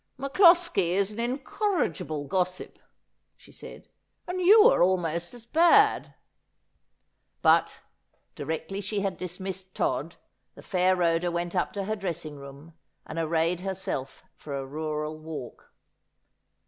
' MacCloskie is an incorrigible gossip,' she said, ' and you are almost as bad.' But, directly she had dismissed Todd, the fair Rhoda went up to her dressing room and arrayed herself for a rural walk.